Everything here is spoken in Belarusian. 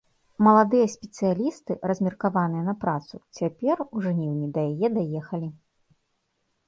Маладыя спецыялісты, размеркаваныя на працу, цяпер, у жніўні, да яе даехалі.